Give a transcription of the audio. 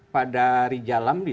pada rizal ramli